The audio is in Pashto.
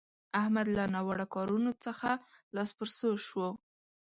احمد له ناوړه کارونه څخه لاس پر سو شو.